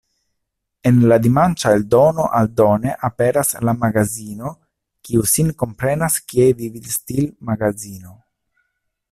En la dimanĉa eldono aldone aperas la "Magazino", kiu sin komprenas kiel vivstil-magazino.